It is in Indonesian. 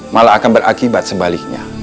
malah akan berakibat sebaliknya